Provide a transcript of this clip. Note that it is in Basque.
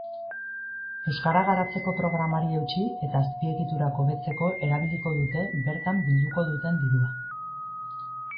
Euskara garatzeko programari eutsi eta azpiegiturak hobetzeko erabiliko dute bertan bilduko duten dirua.